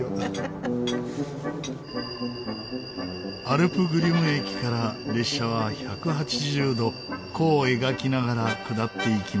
アルプ・グリュム駅から列車は１８０度弧を描きながら下っていきます。